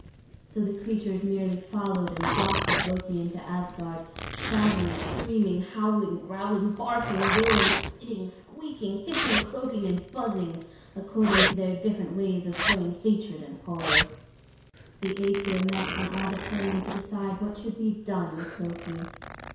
So the creatures merely followed and jostled Loki into Asgard, shouting, screaming, howling, growling, barking, roaring, spitting, squeaking, hissing, croaking, and buzzing, according to their different ways of showing hatred and horror. [Illustration: "KILL HIM! KILL HIM!"] The Æsir met on Ida Plain to decide what should be done with Loki.